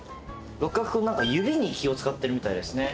六角君何か指に気を使ってるみたいですね。